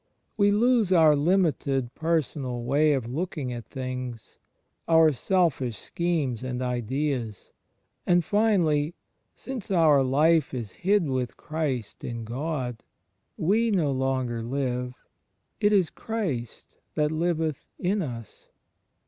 We lose our limited personal way of looking at things, our selfish schemes and ideas, and finally, since our "life is hid with Christ in God," * we no longer live; it is Christ that liveth in us.